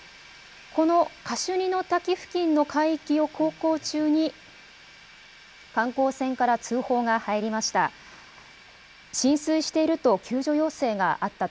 このカシュニの滝付近の海域を航行中に、観光船から通報が入りました。